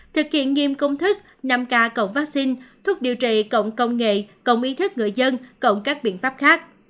thực hiện nghiêm công thức năm k cộng vaccine thuốc điều trị cộng công nghệ cộng ý thức người dân cộng các biện pháp khác